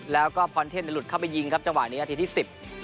แล้วก็พรเทพหลุดเข้าไปยิงครับจังหวะนี้นาทีที่สิบ